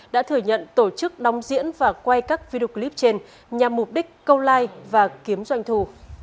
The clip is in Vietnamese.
đã thừa nhận tổ chức đóng diễn và quay các video clip trên nhằm mục đích câu like và kiếm doanh thu